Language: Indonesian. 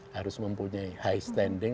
harus mempunyai high standing